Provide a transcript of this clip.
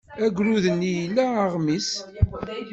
Agrud-nni ila aɣmis.